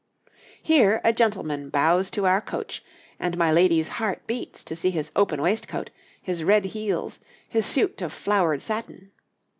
Here a gentleman bows to our coach, and my lady's heart beats to see his open waistcoat, his red heels, his suit of flowered satin.